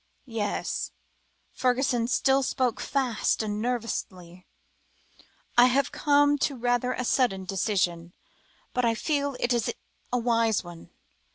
"Yes" Fergusson still spoke fast and nervously, "I have come to rather a sudden decision, but I feel it is a wise one.